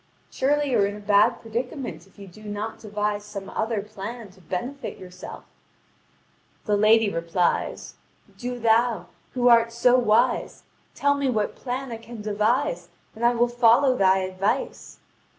Surely you are in a bad predicament if you do not devise some other plan to benefit yourself." The lady replies: "Do thou, who art so wise, tell me what plan I can devise, and I will follow thy advice."